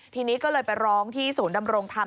ทีนี้ก็เลยไปร้องที่ศูนย์ดำรงธรรม